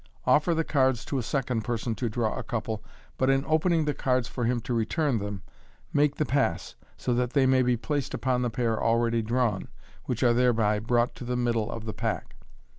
Offer the cards to a second person to draw a couple, but in opening the cards for him to return them, make the pass, so that they may be placed upon the pair already drawn, which are thereby brought to the middle of the pack.